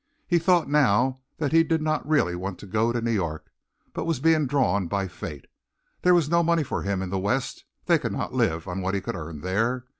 He thought now that he did not really want to go to New York, but was being drawn by fate. There was no money for him in the West; they could not live on what he could earn there.